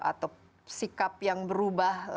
atau sikap yang berubah